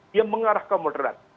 dia mengarah ke moderat